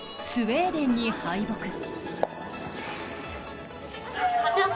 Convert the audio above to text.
スウェーデンに敗北。